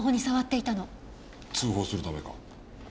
通報するためか？